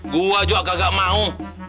gue juga gak mau